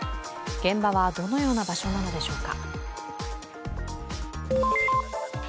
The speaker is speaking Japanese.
現場はどのような場所なのでしょうか。